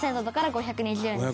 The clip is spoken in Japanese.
「５２０円。